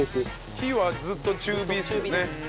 火はずっと中火ですもんね。